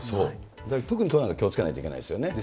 特にきょうなんか気をつけないといけないですよね。